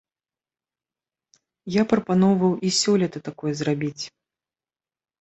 Я прапаноўваў і сёлета такое зрабіць.